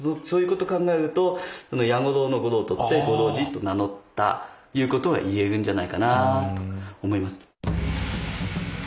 そういうこと考えると八五郎の「五郎」取って五郎治と名乗ったいうことはいえるんじゃないかなと思います。